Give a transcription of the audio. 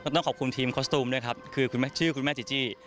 ต้องขอบคุณทีมคอสตูมด้วยครับคือชื่อคุณแม่จีจี้